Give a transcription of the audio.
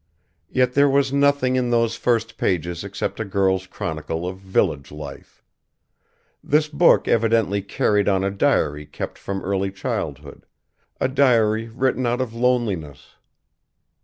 Yet there was nothing in those first pages except a girl's chronicle of village life. This book evidently carried on a diary kept from early childhood; a diary written out of loneliness.